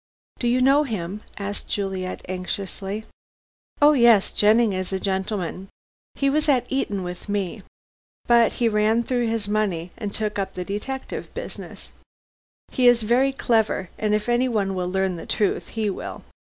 "Do you know him?" asked Juliet anxiously. "Oh, yes. Jennings is a gentleman. He was at Eton with me. But he ran through his money and took up the detective business. He is very clever, and if anyone will learn the truth, he will.